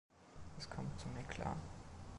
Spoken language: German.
Es kommt zum Eklat.